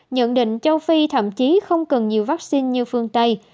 nhận định châu phi thậm chí không cần nhiều vaccine như phương tây